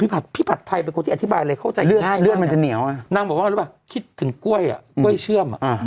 พี่ผัดพี่ผัดไทยเป็นคนที่อธิบายอะไรเข้าใจง่ายเลือดมันจะเหนียวอ่ะนางบอกว่ารู้ปะคิดถึงกล้วยอ่ะกล้วยเชื่อมอ่ะอ่า